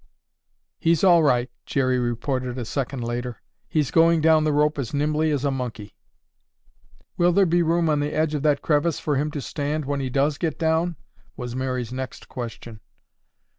"He's all right," Jerry reported a second later. "He's going down the rope as nimbly as a monkey." "Will there be room on the edge of that crevice for him to stand when he does get down?" was Mary's next question.